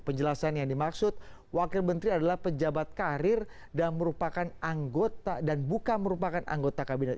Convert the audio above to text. penjelasan yang dimaksud wakil menteri adalah pejabat karir dan merupakan anggota dan bukan merupakan anggota kabinet